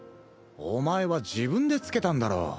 お前は自分でつけたんだろ。